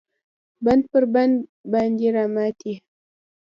بند پر بند باندې راماتی